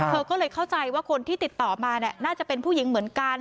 เธอก็เลยเข้าใจว่าคนที่ติดต่อมาน่าจะเป็นผู้หญิงเหมือนกัน